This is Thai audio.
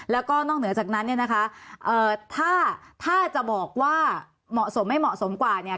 แล้วก็นอกเหนือจากนั้นเนี่ยนะคะถ้าจะบอกว่าเหมาะสมไม่เหมาะสมกว่าเนี่ย